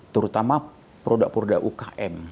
terutama produk produk ukm